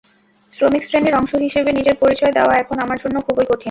শ্রমিকশ্রেণির অংশ হিসেবে নিজের পরিচয় দেওয়া এখন আমার জন্য খুবই কঠিন।